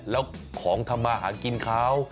แล้วของทำมาหากินเขา